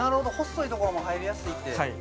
そいところも入りやすいてはい